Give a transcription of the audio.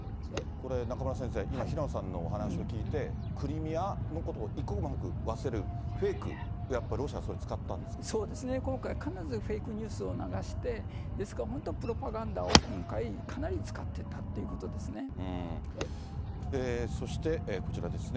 これ、中村先生、今、平野さんのお話を聞いて、クリミアのことを一刻も早く忘れる、フェイク、やっぱりロシアはそれを使ったんそうですね、今回、フェイクニュースを流して、ですから本当、プロパガンダを今回、そして、こちらですね。